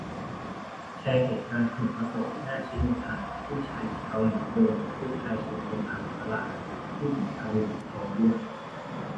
แชร์เหตุการณ์ถนนอโศกหน้าซิโนไทย คู่ชายหญิงเกาหลีโดนรถตู้ไทยชนตรงทางม้าลาย ผู้หญิงเกาหลีท้องด้วย